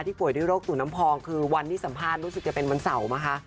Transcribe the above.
ป่วยด้วยโรคตุ่มน้ำพองคือวันที่สัมภาษณ์รู้สึกจะเป็นวันเสาร์นะคะ